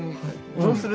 どうする？